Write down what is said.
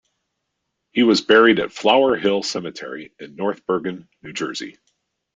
He was buried at Flower Hill Cemetery in North Bergen, New Jersey.